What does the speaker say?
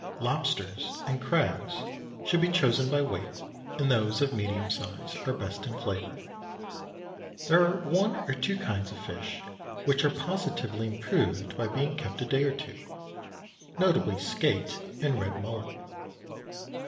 Lobsters and crabs should be chosen by weight, and those of medium size are best in flavour. There are one or two kinds of fish which are positively improved by being kept a day or two, notably skate and red mullet.